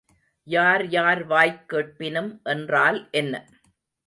யார் யார் வாய் கேட்பினும் என்றால் என்ன?